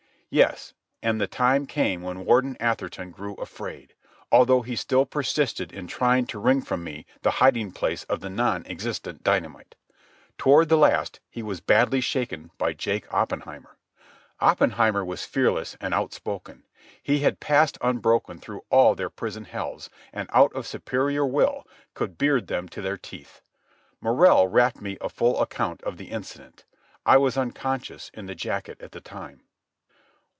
Yes, and the time came when Warden Atherton grew afraid, although he still persisted in trying to wring from me the hiding place of the non existent dynamite. Toward the last he was badly shaken by Jake Oppenheimer. Oppenheimer was fearless and outspoken. He had passed unbroken through all their prison hells, and out of superior will could beard them to their teeth. Morrell rapped me a full account of the incident. I was unconscious in the jacket at the time.